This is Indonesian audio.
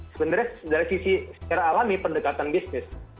sebenarnya dari sisi secara alami pendekatan bisnis